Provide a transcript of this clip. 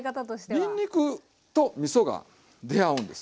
にんにくとみそが出合うんです。